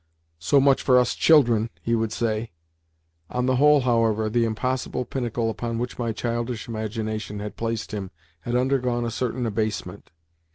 "So much for us children!" he would say. On the whole, however, the impossible pinnacle upon which my childish imagination had placed him had undergone a certain abasement.